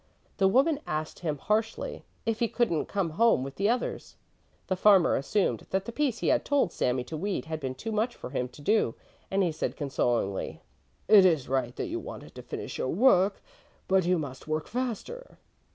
The woman asked him harshly, if he couldn't come home with the others. The farmer assumed that the piece he had told Sami to weed had been too much for him to do, and he said consolingly: "It is right that you wanted to finish your work, but you must work faster."